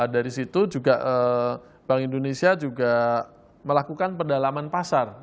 dari situ juga bank indonesia juga melakukan pendalaman pasar